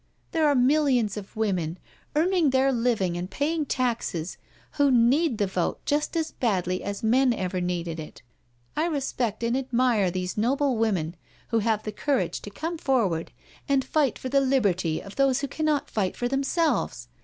There are millions of women^ earning their living and paying taxes, who need the vote just as badly as men ever needed it. I respect and admire these noble women who have the courage to come forward and fight for the liberty of those who cannot fight for themselves.